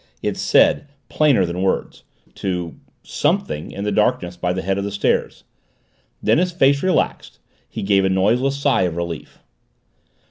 it said, plainer than words, to Something in the darkness by the head of the stairs. Then his face relaxed, he gave a noiseless sigh of relief.